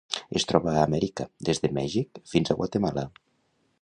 Es troba a Amèrica: des de Mèxic fins a Guatemala.